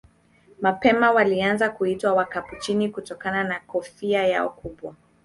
Mapema walianza kuitwa Wakapuchini kutokana na kofia yao kubwa.